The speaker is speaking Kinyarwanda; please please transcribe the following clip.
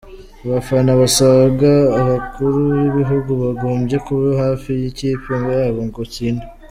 Abafana basanga abakuru b'ibihugu bagombye kuba hafi y'ikipe yabo ngo itsinde!!!!.